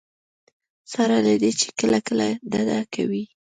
سره له دې چې کله کله ډډه کوي.